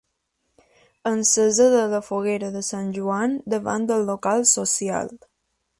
Encesa de la Foguera de Sant Joan davant del local social.